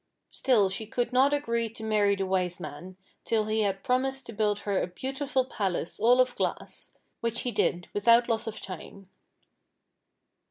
Still she could not agree to marry the Wise Man till he had promised to build her a beautiful palace all of glass, which he did without loss of time.